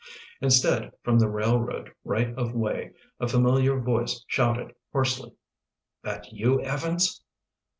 Instead, from the railroad right of way, a familiar voice shouted hoarsely: "That you, Evans?"